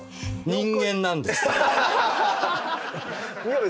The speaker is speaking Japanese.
人間なんです。